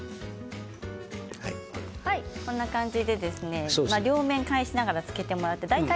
こんな感じで両面返しながらつけていただいて。